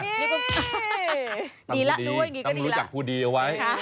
ดีแล้วรู้ว่าอย่างนี้ก็ดีแล้วต้องรู้จักผู้ดีเอาไว้